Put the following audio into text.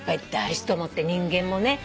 人間もね